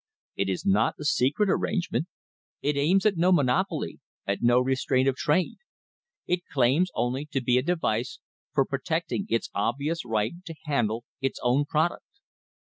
It is not a secret arrangement. It aims at no monopoly, at no restraint of trade. It claims only to be a device for protecting its obvious right to handle its own product.